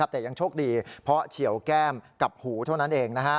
แต่ยังโชคดีเพราะเฉียวแก้มกับหูเท่านั้นเอง